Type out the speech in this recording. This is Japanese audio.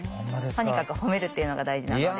とにかく褒めるっていうのが大事なので。